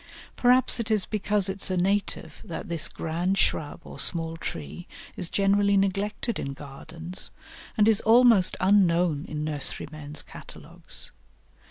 Perhaps it is because it is a native that this grand shrub or small tree is generally neglected in gardens, and is almost unknown in nurserymen's catalogues.